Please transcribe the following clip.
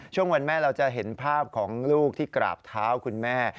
ช่วงวันแม่เราจะเห็นภาพของลูกที่กราบเท้าคุณแม่